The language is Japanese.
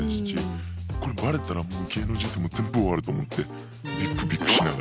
これバレたらもう芸能人生全部終わると思ってビクビクしながら。